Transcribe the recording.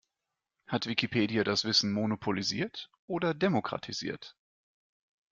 Hat Wikipedia das Wissen monopolisiert oder demokratisiert?